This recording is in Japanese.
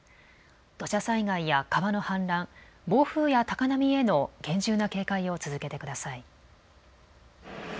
土砂災害や川の氾濫、暴風や高波への厳重な警戒を続けてください。